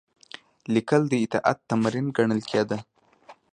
لیکل د اطاعت تمرین ګڼل کېده.